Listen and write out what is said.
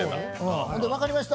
分かりました